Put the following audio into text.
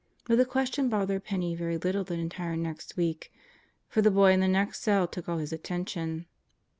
But the question bothered Penney very little the entire next week, for the boy in the next cell took all his attention.